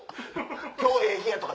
今日ええ日やとか。